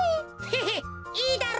ヘヘッいいだろ？